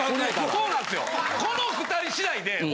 そうなんですよ。